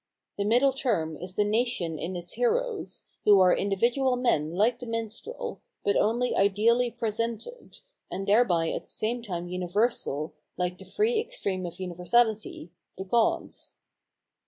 The middle term is the nation in its heroes, who are individual men like the minstrel, but only ideally presented, and thereby at the same time universal like the free extreme of universahty, the gods.